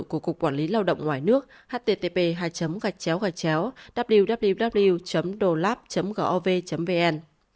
của cục quản lý lao động ngoài nước http www dolab gov vn